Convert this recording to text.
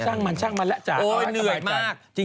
ช่างมันช่างมันแล้วจ๋าเอาให้สบายใจ